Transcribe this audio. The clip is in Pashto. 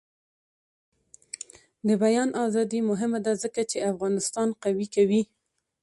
د بیان ازادي مهمه ده ځکه چې افغانستان قوي کوي.